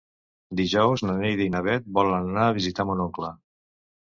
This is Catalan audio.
Dijous na Neida i na Bet volen anar a visitar mon oncle.